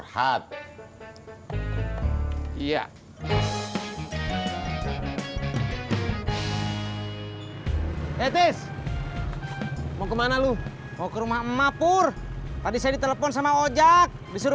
hai etis mau kemana lu mau ke rumah emak pur tadi saya ditelepon sama ojak disuruh